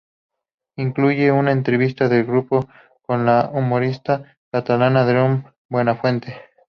Incluye una entrevista del grupo con el humorista catalán Andreu Buenafuente.